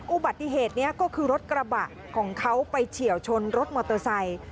อุบัติเหตุนี้ก็คือรถกระบะของเขาไปเฉียวชนรถมอเตอร์ไซค์